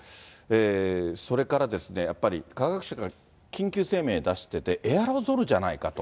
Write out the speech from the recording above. それからやっぱり、科学者が緊急声明を出していて、やっぱりエアロゾルじゃないかと。